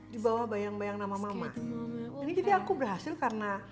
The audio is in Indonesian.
dibawa bayang bayang nama mama jadi aku berhasil karena